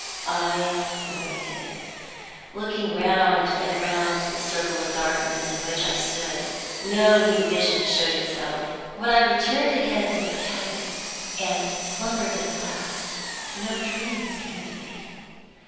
I waited, looking round and round the circle of darkness in which I stood. No new vision showed itself. When I returned again to the cabin, and slumbered at last, no dreams came to me.